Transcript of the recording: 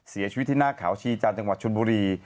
เสียชีวิตที่หน้าเขาชีจันทร์จังหวัดชนบุรี